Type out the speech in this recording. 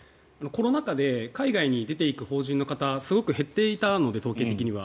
コロナ禍で海外に出ていく邦人の方すごく減っていたので統計的には。